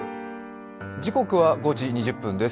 時刻は５時２０分です。